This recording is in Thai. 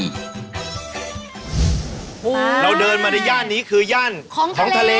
เราเดินมาในย่านนี้คือย่านของทะเล